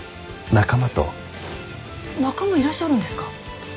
仲間いらっしゃるんですか？